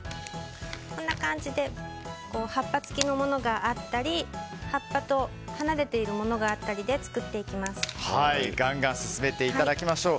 こんな感じで葉っぱつきのものがあったり葉っぱと離れているものがあったりでガンガン進めていただきましょう。